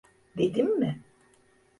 Dedim mi?